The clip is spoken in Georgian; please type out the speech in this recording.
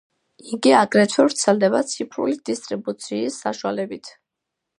იგი აგრეთვე ვრცელდება ციფრული დისტრიბუციის საშუალებით.